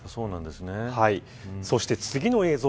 そして次の映像。